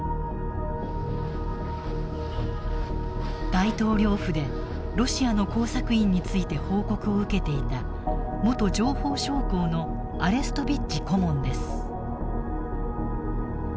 大統領府でロシアの工作員について報告を受けていた元情報将校のアレストビッチ顧問です。